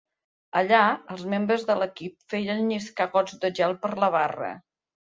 Allà, els membres de l'equip feien lliscar gots de gel per la barra.